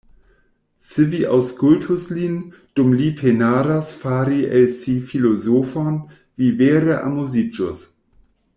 Se vi aŭskultus lin, dum li penadas fari el si filozofon, vi vere amuziĝus.